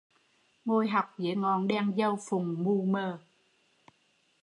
Ngồi học dưới ngọn đèn dầu phụng mù mờ